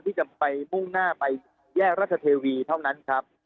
ที่จะไปมุ่งหน้าไปแยกราชเทวีเท่านั้นครับ